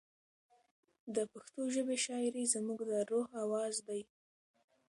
د پښتو ژبې شاعري زموږ د روح اواز دی.